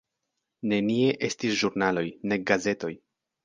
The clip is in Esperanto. Nenie estis ĵurnaloj, nek gazetoj.